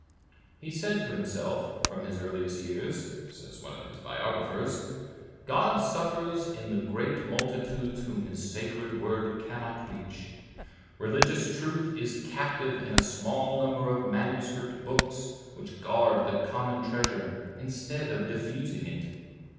"He said to himself, from his earliest years," says one of his biographers, "God suffers in the great multitudes whom his sacred word cannot reach. Religious truth is captive in a small number of manuscript books, which guard the common treasure, instead of diffusing it.